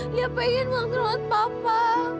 liya pengen mau rawat papa